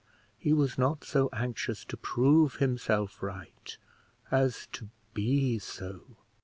He was not so anxious to prove himself right, as to be so.